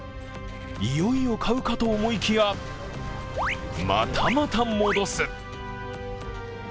いよいよ買うかと思いきやまたまた戻す。